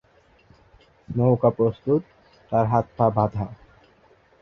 নৌকা প্রস্তুত, তার হাত পা বাঁধা।